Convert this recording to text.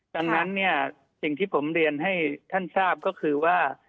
ดังนั้นเนี่ยสิ่งที่ผมเรียนให้ท่านทราบก็คือว่า